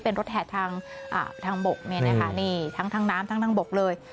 เป็นรถแห่ทางบกทางน้ำทางบกเลย